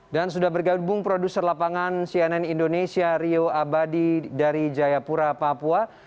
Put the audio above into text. dan sudah bergabung produser lapangan cnn indonesia rio abadi dari jayapura papua